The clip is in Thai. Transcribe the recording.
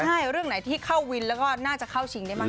ใช่เรื่องไหนที่เข้าวินแล้วก็น่าจะเข้าชิงได้มาก